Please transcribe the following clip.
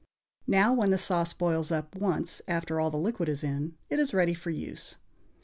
Now, when the sauce boils up once after all the liquid is in, it is ready for use.